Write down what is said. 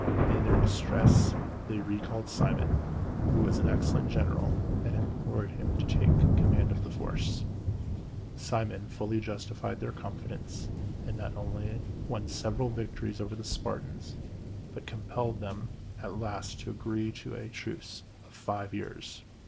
In their distress they recalled Cimon, who was an excellent general, and implored him to take command of their forces. Cimon fully justified their confidence, and not only won several victories over the Spartans, but compelled them at last to agree to a truce of five years.